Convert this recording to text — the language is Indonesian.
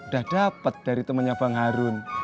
dapet dari temennya bang harun